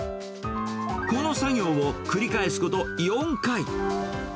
この作業を繰り返すこと４回。